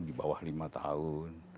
di bawah lima tahun